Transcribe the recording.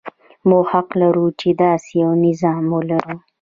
موږ حق لرو چې داسې یو نظام ولرو.